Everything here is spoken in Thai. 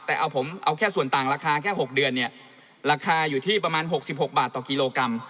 แต่เอาผมเอาแค่ส่วนต่างราคาแค่๖เดือนเนี่ยราคาอยู่ที่ประมาณ๖๖บาทต่อกิโลกรัม